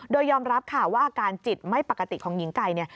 โดยยอมรับค่ะว่าอาการจิตไม่ปกติของหญิงไก่